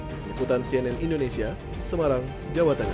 leputan cnn indonesia semarang jawa tengah